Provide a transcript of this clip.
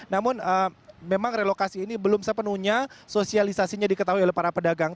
namun memang relokasi ini belum sepenuhnya sosialisasinya diketahui oleh para pedagang